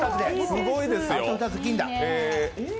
すごいですよ。